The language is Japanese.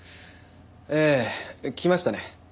ええ来ましたね。